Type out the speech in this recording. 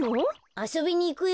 あそびにいくよ。